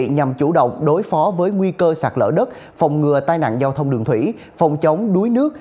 nhằm chủ động đối phó với nguy cơ sạt lở đất phòng ngừa tai nạn giao thông đường thủy phòng chống đuối nước